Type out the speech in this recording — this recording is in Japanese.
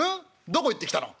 どこ行ってきたの？」。